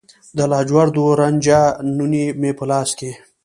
د لاجوردو رنجه نوني مې په لاس کې